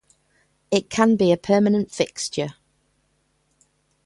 It can be a permanent fixture.